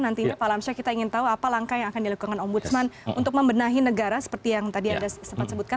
nanti pak lamsyah kita ingin tahu apa langkah yang akan dilakukan ombudsman untuk membenahi negara seperti yang tadi anda sempat sebutkan